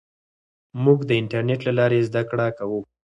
موږ د انټرنېټ له لارې زده کړه کوو.